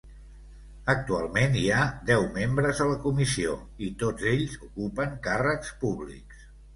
Actualment hi ha deu membres a la Comissió, i tots ells ocupen càrrecs públics.